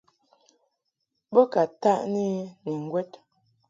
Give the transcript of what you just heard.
Bo ka taʼni I ni ŋgwɛd.